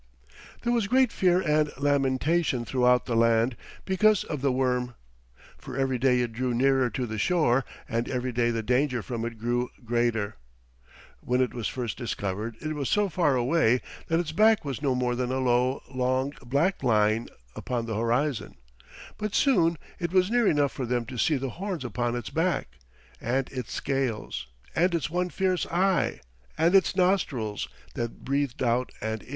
There was great fear and lamentation throughout the land because of the worm, for every day it drew nearer to the shore, and every day the danger from it grew greater. When it was first discovered it was so far away that its back was no more than a low, long, black line upon the horizon, but soon it was near enough for them to see the horns upon its back, and its scales, and its one fierce eye, and its nostrils that breathed out and in.